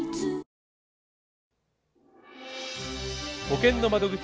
ほけんの窓口